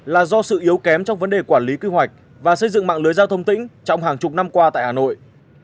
là do sự yếu kém trong vấn đề quản lý quy hoạch và xây dựng mạng lưới giao thông tỉnh trong hàng chục năm qua tại hà nội